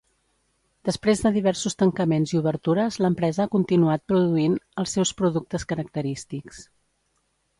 Després de diversos tancaments i obertures l'empresa ha continuat produint els seus productes característics.